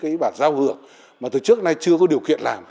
cái bản giao hưởng mà từ trước nay chưa có điều kiện làm